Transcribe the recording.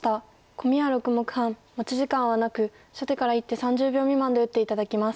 コミは６目半持ち時間はなく初手から１手３０秒未満で打って頂きます。